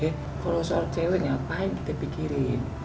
eh kalo seorang cewek ngapain kita pikirin